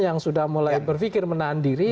yang sudah mulai berpikir menahan diri